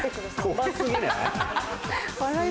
怖過ぎない？